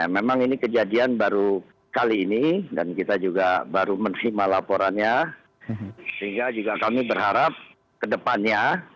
memang ini kejadian baru kali ini dan kita juga baru menerima laporannya sehingga juga kami berharap kedepannya